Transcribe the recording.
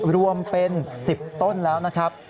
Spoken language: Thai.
รวมเป็น๑๐ต้นแล้วนะครับ